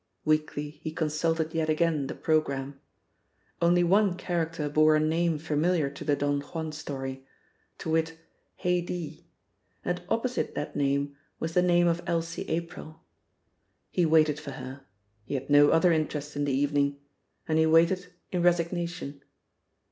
Weakly he consulted yet again the programme. Only one character bore a name familiar to the Don Juan story; to wit, "Haidee"; and opposite that name was the name of Elsie April. He waited for her, he had no other interest in the evening, and he waited in resignation.